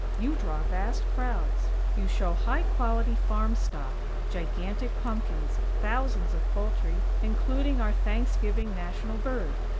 You draw vast crowds; you show high quality farm stock, gigantic pumpkins, thousands of poultry, including our "Thanksgiving National Bird".